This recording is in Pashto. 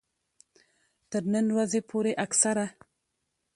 تر نن ورځې پورې اکثره